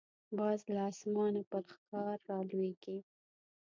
باز له اسمانه پر ښکار راولويږي